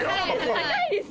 高いです。